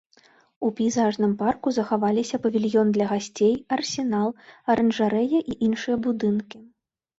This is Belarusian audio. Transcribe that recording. У пейзажным парку захаваліся павільён для гасцей, арсенал, аранжарэя і іншыя будынкі.